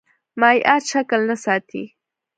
مایعات شکل نه ساتي.